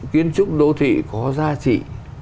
kiến trúc đô thị có giá trị